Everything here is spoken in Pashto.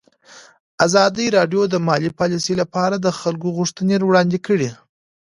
ازادي راډیو د مالي پالیسي لپاره د خلکو غوښتنې وړاندې کړي.